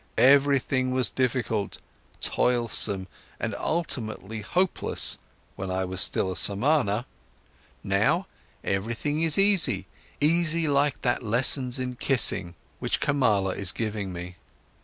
Everything was difficult, toilsome, and ultimately hopeless, when I was still a Samana. Now, everything is easy, easy like that lesson in kissing, which Kamala is giving me.